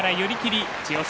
千代翔